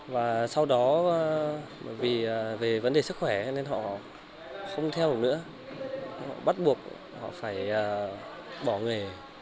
và sau đó vì về vấn đề sức khỏe nên họ không theo được nữa bắt buộc họ phải bỏ nghề